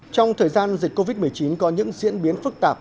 trong thời gian dịch covid một mươi chín có những diễn biến phức tạp